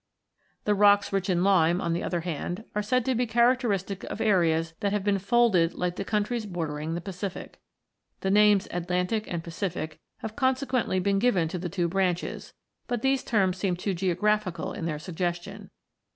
The rocks rich in lime, on the other hand, are said to be characteristic of areas that have been folded like the countries bordering the Pacific. The names "Atlantic" and "Pacific" have consequently been given to the two branches, but these terms seem too geographical in their suggestion.